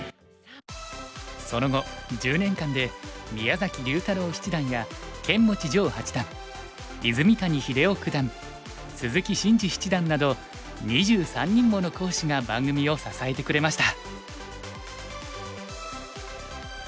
その後１０年間で宮崎龍太郎七段や釼持丈八段泉谷英雄九段鈴木伸二七段など２３人もの講師が番組を支えてくれました。